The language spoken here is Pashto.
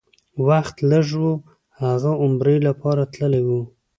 وخت لږ و، هغه عمرې لپاره تللی و.